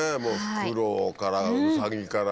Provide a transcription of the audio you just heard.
フクロウからウサギから。